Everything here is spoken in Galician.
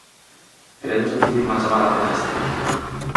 Queredes recibir unha chamada coma esta?